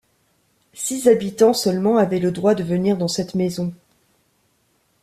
Six habitants seulement avaient le droit de venir dans cette maison.